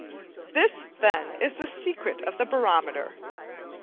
This then, is the secret of the barometer.